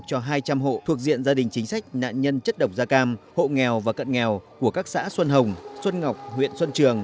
cho hai trăm linh hộ thuộc diện gia đình chính sách nạn nhân chất độc da cam hộ nghèo và cận nghèo của các xã xuân hồng xuân ngọc huyện xuân trường